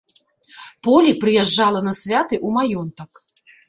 Полі прыязджала на святы ў маёнтак.